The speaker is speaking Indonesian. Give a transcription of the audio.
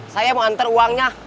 saya mau antar uangnya